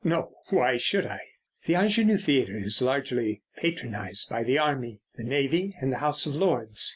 "No. Why should I?" "The Ingenue Theatre is largely patronised by the army, the navy, and the House of Lords.